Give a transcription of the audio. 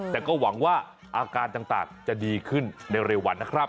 แต่ก็หวังว่าอาการต่างจะดีขึ้นในเร็ววันนะครับ